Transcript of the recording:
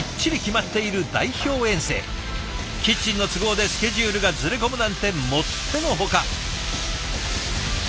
キッチンの都合でスケジュールがずれ込むなんてもってのほか。